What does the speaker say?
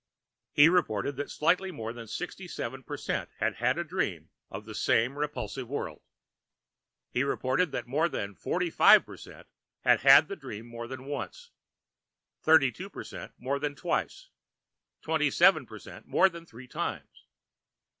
He reported that slightly more than sixty seven per cent had had a dream of the same repulsive world. He reported that more than forty four per cent had had the dream more than once, thirty two per cent more than twice, twenty seven per cent more than three times.